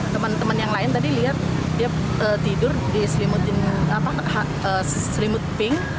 teman teman yang lain tadi lihat dia tidur di selimut pink